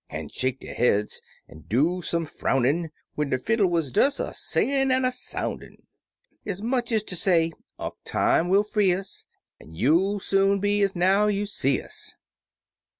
An' shake der heads an' do some frownin' When de fiddle wuz des a singin' an' a soun'in", Ez much ez ter say, " Unc' Time will free us, An' you'll soon be ez now you see us!"